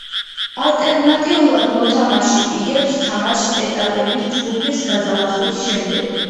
ალტერნატიულად, მოთამაშე იგებს თამაშს ეტაპების ჯგუფის გადალახვის შემდეგ.